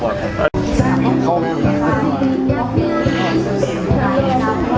พระเจ้าข้าว